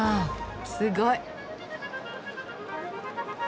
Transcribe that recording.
すごい！